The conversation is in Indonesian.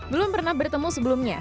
belum pernah bertemu sebelumnya